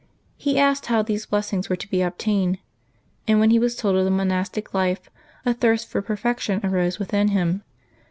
He asked how these blessings were to be obtained, and when he was told of the monastic life a thirst for perfection arose within him.